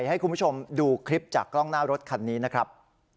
ให้คุณผู้ชมดูคลิปจากกล้องหน้ารถคันนี้นะครับ